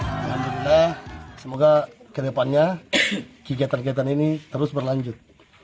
alhamdulillah semoga ke depannya kegiatan kegiatan ini terus berlanjut